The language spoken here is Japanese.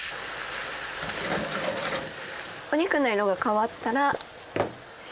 お肉の色が変わったら塩こしょう。